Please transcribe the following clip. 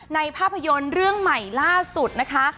ภาพยนตร์เรื่องใหม่ล่าสุดนะคะ